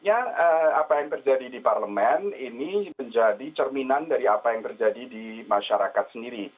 ya apa yang terjadi di parlemen ini menjadi cerminan dari apa yang terjadi di masyarakat sendiri